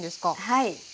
はい。